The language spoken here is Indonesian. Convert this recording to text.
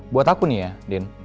buat aku nih ya den